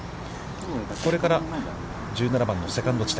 これから、１７番のセカンド地点。